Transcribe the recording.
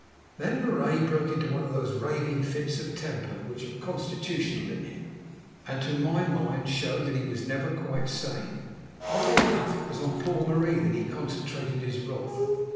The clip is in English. Then Marais broke into one of those raving fits of temper which were constitutional in him, and to my mind showed that he was never quite sane. Oddly enough, it was on poor Marie that he concentrated his wrath.